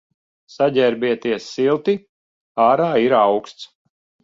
Saģērbieties silti, ārā ir auksts.